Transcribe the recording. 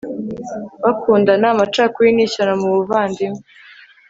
bakundana? amacakubiri ni ishyano mu bavandimwe